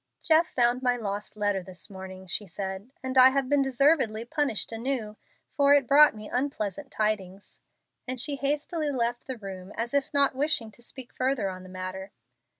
"Jeff found my lost letter this morning," she said, "and I have been deservedly punished anew, for it brought me unpleasant tidings;" and she hastily left the room, as if not wishing to speak further on the matter.